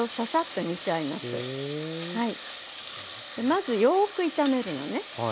まずよく炒めるのね。